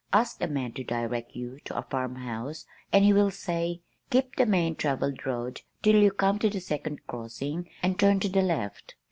Ask a man to direct you to a farmhouse and he will say, "Keep the main travelled road till you come to the second crossing and turn to the left."